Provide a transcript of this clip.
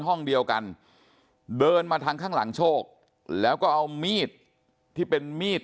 ห้องเดียวกันเดินมาทางข้างหลังโชคแล้วก็เอามีดที่เป็นมีด